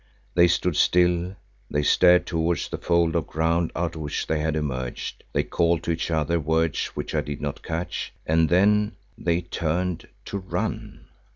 They stood still, they stared towards the fold of ground out of which they had emerged; they called to each other words which I did not catch, and then—they turned to run.